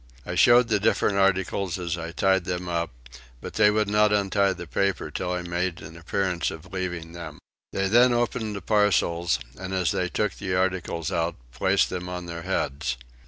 I showed the different articles as I tied them up, but they would not untie the paper till I made an appearance of leaving them. They then opened the parcels and, as they took the articles out, placed them on their heads.